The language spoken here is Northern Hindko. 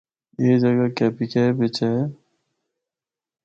اے جگہ کے پی کے بچ ہے۔